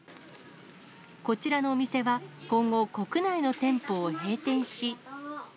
こちらのお店は今後、国内の店舗を閉店し。